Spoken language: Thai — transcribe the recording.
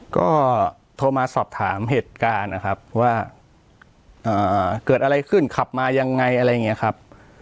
ก็โทรมาสอบถามเหตุการณ์นะครับว่าเกิดอะไรขึ้นขับมายังไงอะไรอย่างนี้ครับ